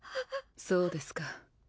そうですか。